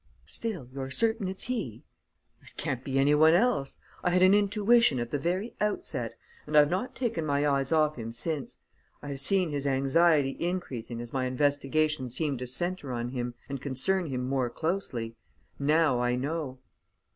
"Still, you're certain it's he?" "It can't be any one else. I had an intuition at the very outset; and I've not taken my eyes off him since. I have seen his anxiety increasing as my investigations seemed to centre on him and concern him more closely. Now I know."